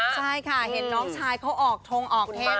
ใช่ค่ะเห็นน้องชายเขาออกทงออก๓๕ชั่วครับ